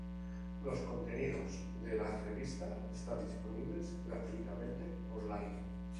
Los contenidos de la revista están disponibles gratuitamente on-line.